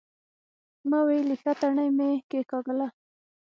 ما ويلې ښه تڼۍ مې کېکاږله.